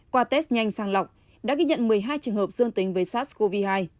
qua test nhanh sang lọc đã ghi nhận một mươi hai trường hợp dương tính với sars cov hai